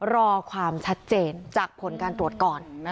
รอความชัดเจนจากผลการตรวจก่อน